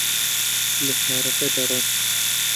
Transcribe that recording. لە شارەکە دەڕۆم.